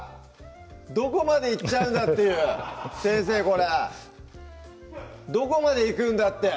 どこまでいっちゃうんだっていう先生これどこまでいくんだって！